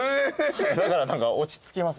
だから何か落ち着きます。